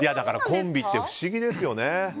コンビって不思議ですよね。